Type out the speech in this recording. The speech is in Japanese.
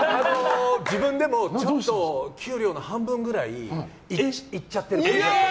自分でもちょっと給料の半分くらいいっちゃって。